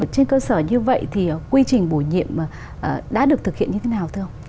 trên cơ sở như vậy thì quy trình bổ nhiệm đã được thực hiện như thế nào thưa ông